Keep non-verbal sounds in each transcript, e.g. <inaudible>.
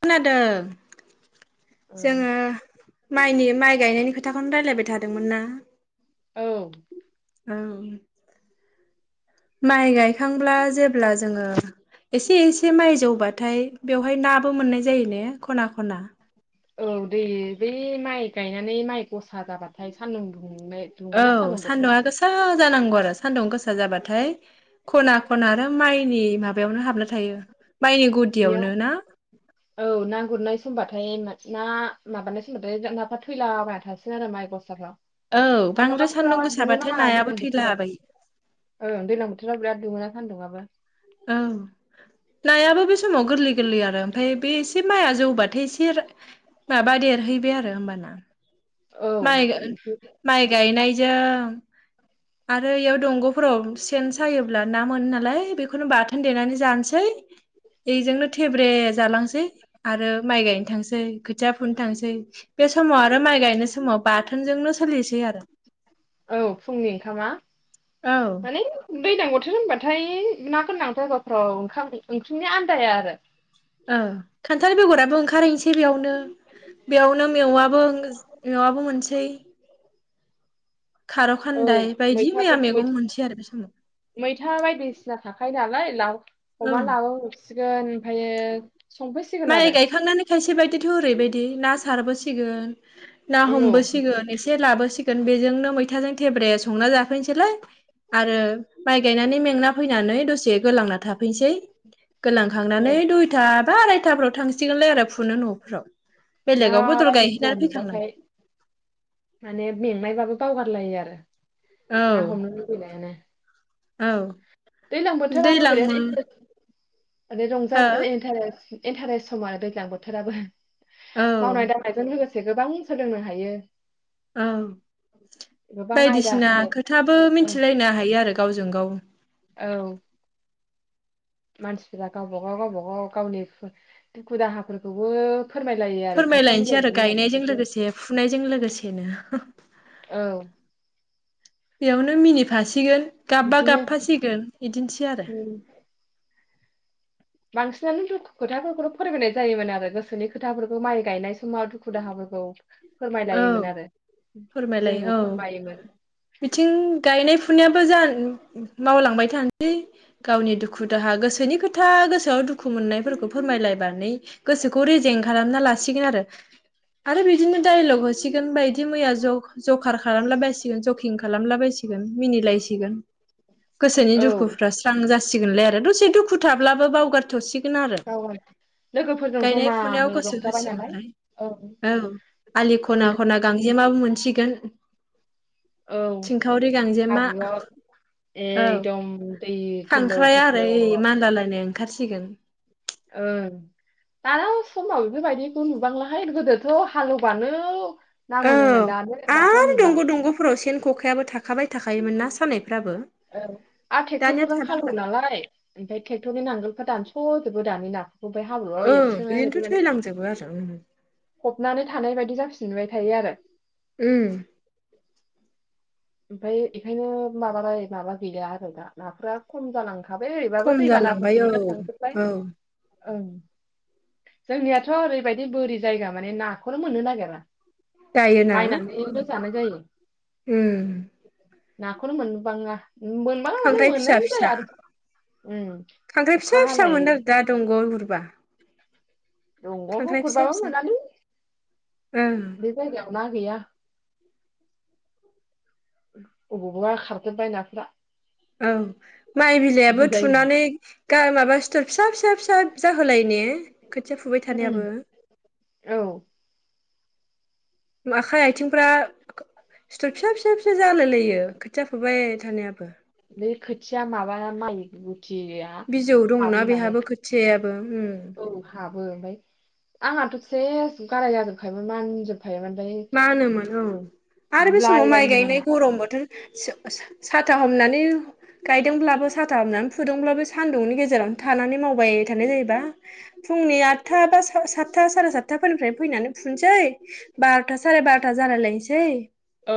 खोनादों। औ जोङो माइनि माइ गायनायनि खोथाखौनो रायलायबाय थादोंमोन ना? औ उम माइ गायखांब्ला जेब्ला जोङो एसे एसे माइ जौबाथाय बेवहाय नाबो मोननाय जायो ने खना खना औ दै बै माइ गायनानै माइ गसा जाबाथाय सान्दुं दुंनो औ सान्दुङा गोसा जानांगौ आरो सान्दुं गोसा जाबाथाय खना खना आरो माइनि माबायावनो हाबना थायो माइनि बेयाव गुदियावनो ना? <inaudible> औ ना गुरनाय समबाथाय ना माबानाय समबाथाय नाफ्रा थैलाबायना थासिगोन आरो माइ गसाफ्राव औ बांद्राय सानदुङा फुरा सान्दुं दुङो गोसाबाथाय नामा नायाबो दैलां बोथोराव? थैलाबायो ओ दैज्लां बोथोराव बिराद दुङोना सान्दुंङाबो। ओं। नायाबो बे समाव गोरलै गोरलै आरो ओमफ्राय बे एसे माइआ जौबाथाय एसे माबा देरहैबाय आरो होमबाना। औ माइ माइ गायनायजों आरो इयाव दंग'फोराव सेन सायोब्ला ना मोनो नालाय बेखौनो बाथोन देनानै जानोसै। बेजोंनो थेब्रे जालांसै आरो माइ गायनो थांसै खोथिया फुनो थांसै। बे समाव आरो माइ गायनाय समाव बाथोनजोंनो सोलिसै आरो। औ फुंनि ओंखामा औ माने दैज्लां बोथोर होनबाथाय ना गोनां जायगाफ्राव ओंखाम ओंख्रिनि आनन्दाया आरो। औ खान्थाल बेगराबो ओंखारहैनोसै बेयावनो। बेयावनो मेवाबो मेवाबो मोनसै। खार' औ खान्दाय बायदि मैया मैथाफोर मैथा मैगं मोनसै आरो बे समाव। मैथा बायदिसिना थाखायो नालाय औ अमा लाबोब्रबसिगोन ओमफ्रायो संफैसिगोन माइ आरो गायखांनानै खायसे बायदिथ' ओरैबायदि ना सारबोसिगोन। ना औ ओं, हमबोसिगोन एसे लाबोसिगोन बेजोंनो मैथाजों थेब्रे संना जाफैनोसैलाय। आरो माइ गायनानै मेंना फैनानै दसे गोलांना थाफैसै गोलां खांनानै दुइथा बा आरायथाफ्राव थांसिगोनलाय आरो फुनो न'फ्राव। ना बेलेगाव बदल बायदिसिना गायहैना फैखांनानै नुबाथाय माने मेंनायबाबो बावगारलायो आरो ना औ हमनो लुगैनायानो। औ दैज्लां बोथोराव <inaudible> दैलां मो हो इन्टारेस्ट समा दैज्लां बोथोराबो औ मावनाय दांनायजों लोगोसे गोबां सोलोंनो हायो। औ गोबां आयदा बायदिसिना खायदा खोथाबो मिथिलायनो हायो आरो गावजों गाव। औ मानसिफोरा गावब गाव गावबा गाव गावनि दुखु दाहाफोरखौबो फोरमायलायो। आरो खायफा फोरमायलायनोसै आरो मिलायनाय गायनायजों मिलायैफोरजों लोगोसे फुनायजों लोगोसेनो। औ बेयावनो मिनिफासिगोन गाबबा बिदिनो गाबफासिगोन बिदिनोसै आरो। उम बांसिनानो दुखु खोथाफोरखौनो फोरमायनाय जायोमोन आरो गोसोनि खोथाफोरखौ माइ गायनाय समाव दुखु दुखु दाहाफोरखौ औ फोरमायलायोमोन आरो फोरमायलाय जोंबो औ फोरमायोमोन। बिथिं गायनाय फुनायाबो जा मावलांबाय थानोसै गावनि दुखु दाहा गोसोनि खोथा गोसोआव दुखु मोननायफोरखौ फोरमायलायबनानै। गोसोखौ रेजें खालामना लासिगोन आरो आरो बिदिनो दाइलग होसिगोन बायदि मैया जग जखार खालामला बायसिगोन जकिं खालामला बायसिसिगोन मिनिलायसिगोन। गोसोनि औ दुखुफ्रा स्रां जासिगोनलै आरो दसे दुखु थाब्लाबो बावगार थ'सिगोन आरो गाव लोगोफोरजों गायनाय जमानो फुनायाव गोसो रंजाबाय नालाय होसिगोनलाय। औ। आलि खना खोन्था खना, गांजेमाबो मोनसिगोन। औ थिंखावरि गांजेमा। हाब्रुआव औ एकदम दै थोलौ खांख्राया थोफौ आरोइ ओं मानलालायनाय ओंखारसिगोन। ओं। दाना समाव बेफोरबायदिखौ नुबांलाहाय गोदोथ' हालेवबानो ना मोनोमोन दानो दाथा नुला। फोराव सेन खखायाबो थाखाबाय थाखायोमोन ना सानायफ्राबो। औ आ दानिया ट्रेक्टरफोरजों थानांला हालेव नालाय ओमफ्राय ट्रेक्टरनि नांगोलफोर दानस' जोबो दानि ना। बबाय हाब्रुआव ओं एरसोनाय बिदिनोथ' माने। थैलांजोबो आरो उम फबनानै थानाय बायदि जाफिनबाय थायो आरो। उम। ओमफ्राय बेखायनो माबानानै माबा गैला आरो दा नाफोरा खम जालांख खाबाय ओरैबाबो खम जालांबाय औ दैबानाफोरजोंनो थांजोबबाय औ ओं। जोंनियाथ' ओरैबायदि बोरि जायगा माने नाखौनो मोननो नागिरा। दायोना बायनानैबो जानाय जायो। उम। नाखौनो मोनबाङा मोन खांख्राइ फिसा मोननायानो जाया आरो उम खांख्राय अखा फिसा फिसा हानाय मोनो आरो दा दंगआव' गुरबा। दंगआवबो खांख्राइ फिसा गुरबाबो फिसा मोनालै ओं बे जायगायाव ना गैया। अबावबा खारजोबबाय नाफ्रा। औ माइ गुबुन बिलाइाबो जायो थुनानै गा माबा सिथर फिसा फिसा फिसा जा होलाय ने खोथिया फुबाय थानायाबो। उम औ नुआखै आथिंफ्रा सिथर फिसा फिसा फिसा जालाय लायो खोथिया फुबाय थानायाबो। बे खोथिया माबा माइ बुथिया बिजौ दंना बेहाबो खोथियायाबो उम। औ हाबो ओमफ्राय आंहाथ' सेस गाराय जाजोबखायोमोन मानजोब खायोमोन फ मा होनोमोन औ आरो बे समाव माइ लायोमोन गायनाय आंना गरम बोथोर सा-सा साथा हमनानै गायदोंब्लाबो साथा हामनानै फुदुंब्लाबो सान्दुंनि गेजेरावनो थानानै मावबाय थानाय जायोबा। फुंनि आठथा बा सा सातथा साराय सातथाफोरनिफ्राय फैनानै फुननोसै बार'था साराय बार'था जालाय लायनोसै। औ।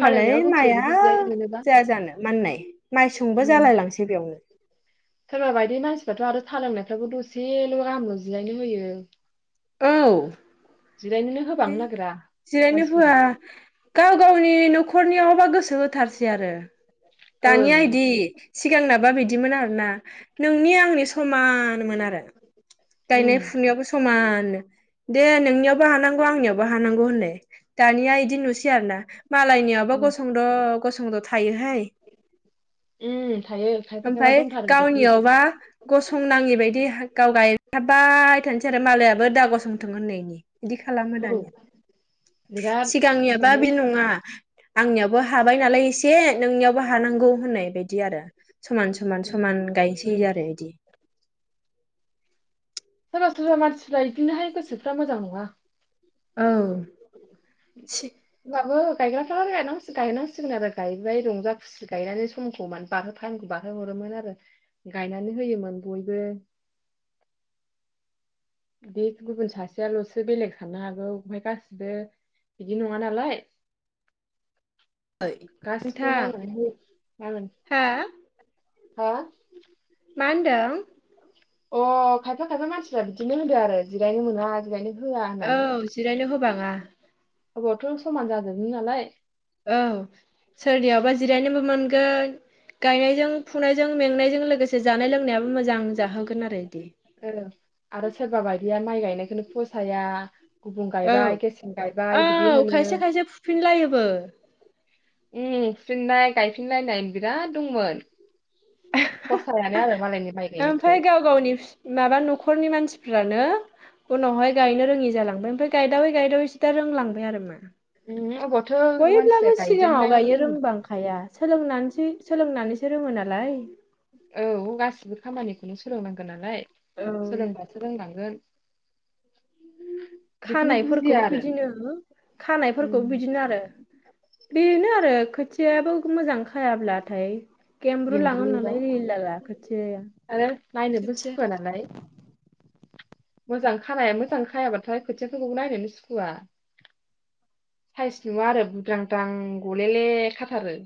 हालेवनायाव माइया दसेल'सो जिरायनो मोनोबा जाया जानो माननाय माइ स़ुंबो उम जालाय लांसै बेयावनो। <inaudible> सोरबा बायदि मानसिफ्राथ' आरो थालोंनायफ्राब दसेल' गाहामल' जिरायनो होयो। औ। जिरायनोनो होबांनो नागिरा जिरायनो होआ मानसिफोरा। गाव गावनि न'खरनियावल गोसो होथारसै आरो दानिया ओं इदि। सिगांनाबा बिदिमोन आरोना नोंनि आंनि समानमोन आरो। गायनाय उम फुनायावबो समान। दे नोंनियावबो हानांगौ आंनियावबो हानांगौ होननाय दानिया इदि नुसै आरो ना? मालायनियावबो उम गसंद' गसंद' थायोहाय उम थायो खायफा खायफा ओमफ्राय दंथारो बिदि गावनियावबा गसंनाङि बायदि गाव गायथाबाय थानोसै आरो मालायाबो दा गसंथों होननायनि। बिदि खालामो औ दानिया बिराद सिगांनियाबा माने बे नङा। आंनियावबो हाबाय नालाय एसे नोंनियावबो हानांगौ होननाय बायदि आरो समान सम समान उम, समान गायनोसै उम। आरो इदि। सोरबा सोरबा मानसिफ्रा इदिनोहाय गोसोफ्रा मोजां नङा। औ सि। होमबाबो गायग्राफ्रा गायनां गायनांसिगोन आरो गायबाय रंजा। गनायनानै समखौ <unintelligible> बारहो हरोमोन आरो गायनानै होयोमोन बयबो बे गुबुन सासेयाल'सो बेलेग साननो हागौ ओमफ्राय गासिबो। बिदि नङा नालाय। गासिखौबो मावनानै मागोन <unintelligible> हा। मा होनदों। अ खायफा खायफा मानसिफ्रा बिदिनो होदो आरो जिरायनो मोना जिरायनो। होआ औ जिरायनो होबाङा। अबावथो समान जाजोबनो दालाय औ सोरनियावबा जिरायनोबो मोनगोन। गायनायजों फुनायजों मेंनायजों लोगोसे जानाय लोंनायाबो मोजां जाहोगोन आरो बिदि। औ आरो सोरबा बायदिया माइ गायनायखौनो फसाया। गुबुं गायबाय औ गेसें गायबाय बिदि औ होनो। खायसे खायसे फुफिनलायोबो। उम फुफिननाय गायफिनलायनाय बिराद दंमोन। <unintelligible> फसायानो आलो मालायनि। माइ गायनायखौ ओमफ्राय गाव गावनि। माबा न'खरनि मानसिफ्रानो उनावहाय गायनो रोङि जालांबाय। ओमफ्राय गायदावै गायदावैसो दा रोंलांबाय आरो मा। उम अबावथो मानसिया बयब्लाबो सिगाङाव गायजेननायावनो गायो रोङो रोंबां। हाया सोलोंनानैसो सोलोंनानैसो रोङो नालाय। औ गासिबो खामानिखौनो सोलोंनांगोन नालाय औ सोलोंबा। रोंलांगोन। बेखौनो बुजिया खानायफोरखौबो आरो बिदिनो उम खानायफोरखौबो बिदिनो आरो। बेनो आरो खोथियायाबो मोजां खायाब्लाथाय। गेम्ब्रु लाङो गेमब्रुयोबा नालाय रिलि लालाखोथियाया आरो नायनोबो खोथिया। <unintelligible> मोजां खानाया मोजां खायाब्लाथाय खोथियाफोरखौ नायनोनो सुखुवा। साइस नुवा आरो बुद्रांद्रां गलेले खाथारो।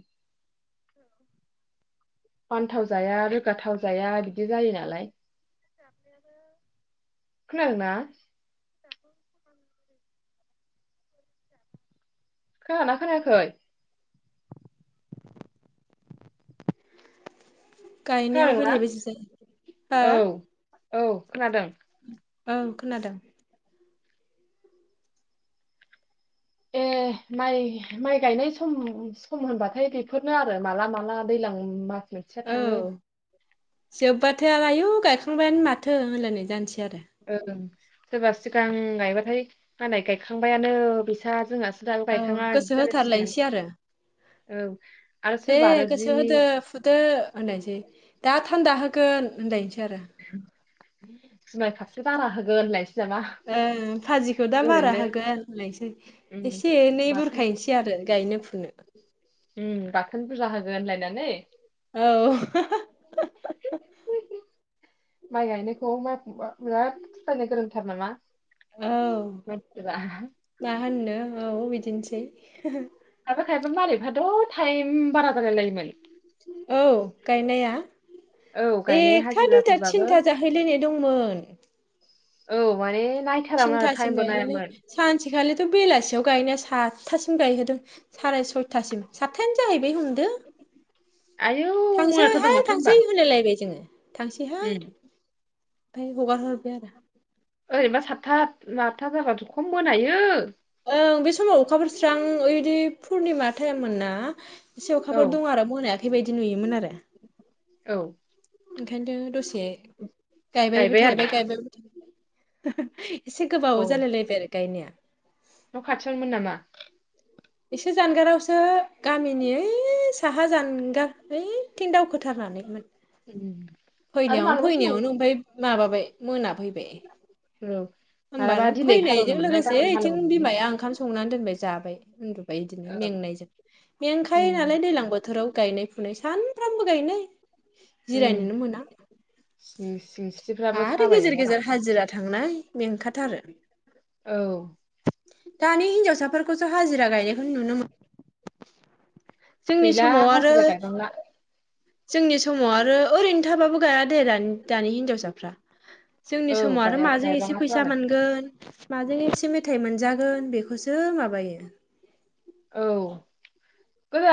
फानथाव जाया रोगाथाव जाया बिदि जायो नालाय। <unintelligible> खोनादोंना। <inaudible> खोनादोंना खोनायाखै। गायनायाव खोनादोंना बेले बेजे जायो औ ह। औ खोनादों। ओं खोनादों। ए माइ माइ गायनाय सम सम होनबाथाय बेफोरनो आरो माला माला। दैजलां मास मोनसेया थाङो। जोब्बाथायो आयु गायखांबायानो माथो होनलायनाय जानोसै आरो ओं सोरबा सिगां गायबाथाय मालाय गायखांबायानो बिसा जोंहा औ गोसो होथारलायसै आरो औ आरो दे सोरबा आरो जि गोसो होदो फुदो होनायनोसै द थान्दा होगोन होनलायनोसै आरो जुमाय खापसे बारा होगोन होनलाय ओं भाजिखौ दा बारा होगोन होनलायसै उम एसे एनै बाथोन बुरखायनोसै आरो गायनो फुनो उम गाखोन बुरजा होगोन होनलायनानै औ माइ गायनायखौ माइ बिराद फिसायनो गोरोंथार नामा औ मोनथिबा मा होननो औ बिदिनोसै खायफा खायबा मालिकाथ टाइम बारा बारा जालायोमोन औ गायनाया औ गायनाय एकथा दुइथा हाजिराफोरबाबो थिनथा जा बाहैलायनाय दंमोन औ माने नायथारामोन आरो थिनथासिम टाइमबो गायलायलाय नायामोन सानसेखालिथ बेलासियाव गायनाया सातथासिम गायहोदों साराय सयथासिम सातथायानो जाहैबाय हमदो आयौ थांसै मोनाथारदों हाय माथो होनबा थांसै होनायलायबाय जोङो थांसैहाय उम ओमफ्राय हगार हरबाय आरो ओरैबा सातथा आतथा जाबाथ खम मोनायो ओं बे समाव अखाफोर स्रां ओइदि पुर्निमा टाइममोनना एसे औ अखाफोर दं आरो मोनायाखैबायदि नुयोमोन आरो औ ओंखायनो दसे गायबायबो गायबाय आरो थाइबाय गायबायबो थाय एसे गोबाव औ जालायलायबाय आरो गायनाया न' खाथियावनोमोन नामा? एसे जानगारावसो गामिनि ओइ साहा जानगार ओइथिं दावखोथारनानै मोन उम आरो फैनायावनो मालाबा समाव फैनायावनो ओमफ्राय माबाबाय मोना फैबाय। औ मालाबा होमबानो दिनै फैनायजों हालेवनो मोननाय लोगोसे गाबोन इथिं हालेवनो मोनै बिमाया ओंखाम संनानै दोनबाय जाबाय उन्दुबाय बिदिनो औ मेंनायजों मेंखायो उम नालाय दैलां बोथोराव गायनाय फुनाय सानफ्रामबो गाय नै उम जिरायनोनो मोना सिं सिं आरो गेजेर गेजेर हाजिरा थांना मेंखारथारो औ। दानि हिन्जावसाफोरखौसो हाजिरा गायनायखौ नुनो मोन गैला समाव आरो हाजिरा गायबांला जोंनि समाव आरो ओरैनो थाबाबो गाया दे दानि दानि हिनजावसाफ्रा जोंनि औ समाव आरो गाया माजों एसे गायबाङाथ' फैसा आरो मोनगोन माजों एसे मेथाइ मोनजागोन बेखौसो माबायो औ गोदो